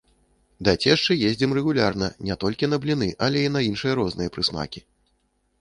Да цешчы ездзім рэгулярна не толькі на бліны, але і на іншыя розныя прысмакі.